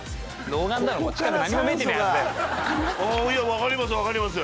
わかりますわかります。